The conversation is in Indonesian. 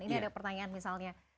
ini ada pertanyaan misalnya